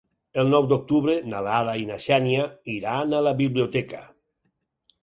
El nou d'octubre na Lara i na Xènia iran a la biblioteca.